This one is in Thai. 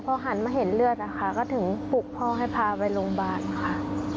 พอหันมาเห็นเลือดนะคะก็ถึงปลุกพ่อให้พาไปโรงพยาบาลค่ะ